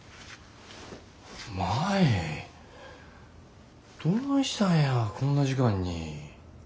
舞どないしたんやこんな時間に。